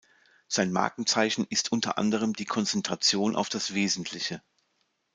Sein Markenzeichen ist unter anderem die Konzentration auf das Wesentliche.